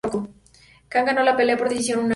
Kang ganó la pelea por decisión unánime.